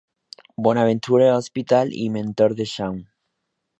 Bonaventure Hospital y mentor de Shawn.